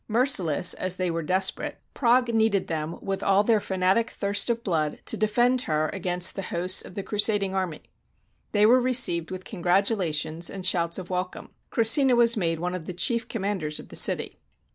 Merciless as they were desperate, Prague 271 AUSTRIA HUNGARY needed them, with all their fanatic thirst of blood, to defend her against the hosts of the crusading army. They were received with congratulations and shouts of welcome. Krussina was made one of the chief com manders of the city.